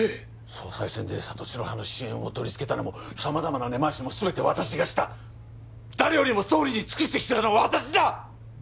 総裁選で里城派の支援を取りつけたのも様々な根回しもすべて私がした誰よりも総理に尽くしてきたのは私だ！